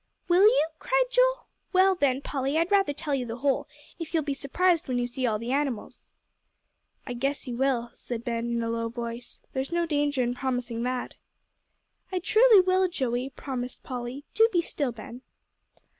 "Will you?" cried Joel; "well, then, Polly, I'd rather tell the whole, if you'll be surprised when you see all the animals." "I guess you will," said Ben, in a low voice; "there's no danger in promising that." "I truly will, Joey," promised Polly. "Do be still, Ben."